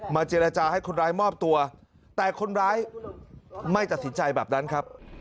เจรจาให้คนร้ายมอบตัวแต่คนร้ายไม่ตัดสินใจแบบนั้นครับ